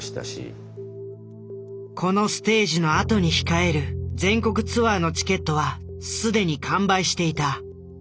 このステージのあとに控える全国ツアーのチケットは既に完売していた。